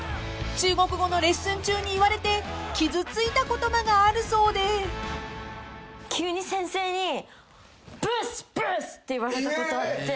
［中国語のレッスン中に言われて傷ついた言葉があるそうで］って言われたことあって。